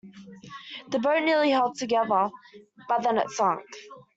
The boat nearly held together, but then it sank.